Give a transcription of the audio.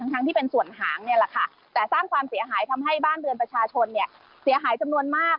ทั้งที่เป็นส่วนหางเนี่ยแหละค่ะแต่สร้างความเสียหายทำให้บ้านเรือนประชาชนเนี่ยเสียหายจำนวนมาก